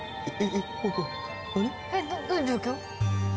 えっどういう状況？